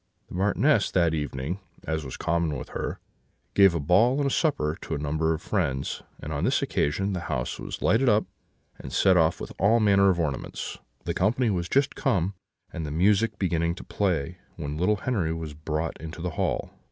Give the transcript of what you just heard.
The Marchioness that evening (as was common with her) gave a ball and supper to a number of friends; and on this occasion the house was lighted up, and set off with all manner of ornaments. The company was just come, and the music beginning to play, when Henri was brought into the hall.